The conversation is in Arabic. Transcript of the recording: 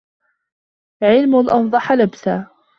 عِلْمٌ أَوْضَحَ لَبْسًا